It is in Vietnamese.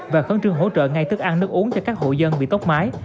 và khấn trương hỗ trợ ngay thức ăn nước uống cho các hộ dân bị tốc mái